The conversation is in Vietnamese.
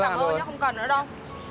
thôi em cảm ơn nhá không cần nó đâu